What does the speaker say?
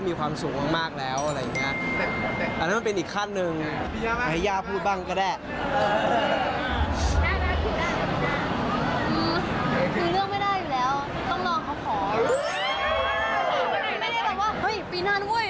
แต่ต้องดูจริงค่ะว่าปีหน้ามันจะเป็นยังไง